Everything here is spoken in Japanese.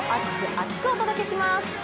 厚く！お届けします。